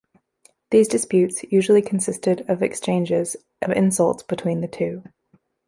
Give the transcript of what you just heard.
These disputes, usually consisted of exchanges of insults between the two.